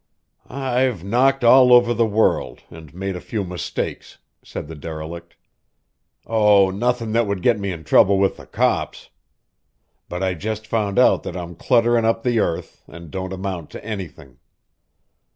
"I've knocked all over the world and made a few mistakes," said the derelict. "Oh, nothin' that would get me in trouble with the cops! But I just found out that I'm clutterin' up the earth and don't amount to anything.